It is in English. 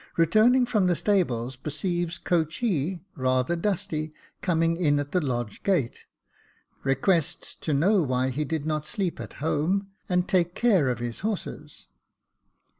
Returning from the stables, perceives coachee, rather dusty, coming in at the lodge gate ; requests to know why he did not sleep at home and take care of his horses.